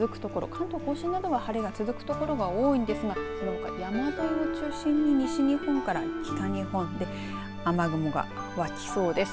関東甲信などは晴れが続くところが多いんですがそのほか山沿いを中心に西日本から北日本雨雲が湧きそうです。